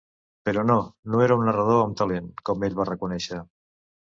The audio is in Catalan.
Però no, no era un narrador amb talent, com ell va reconèixer.